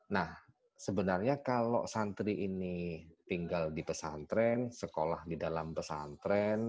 nah sebenarnya kalau santri ini tinggal di pesantren sekolah di dalam pesantren